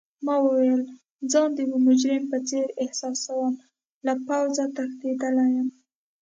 ما وویل: ځان د یو مجرم په څېر احساسوم، له پوځه تښتیدلی یم.